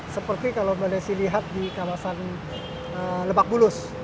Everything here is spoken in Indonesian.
seperti kalau mbak desi lihat di kawasan lebak bulus